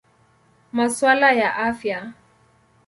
Masuala ya Afya.